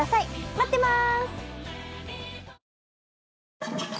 待ってます！